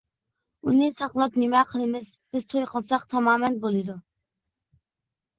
-ئۇنى ساقلاپ نېمە قىلىمىز؟ بىز توي قىلساق تامامەن بولىدۇ.